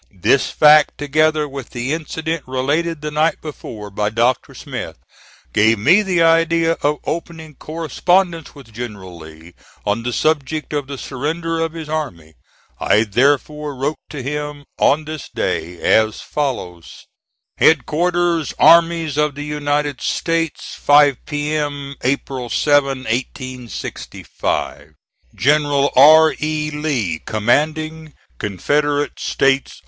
This fact, together with the incident related the night before by Dr. Smith, gave me the idea of opening correspondence with General Lee on the subject of the surrender of his army. I therefore wrote to him on this day, as follows: HEADQUARTERS ARMIES OF THE U. S., 5 P.M., April 7, 1865. GENERAL R. E. LEE Commanding C. S. A.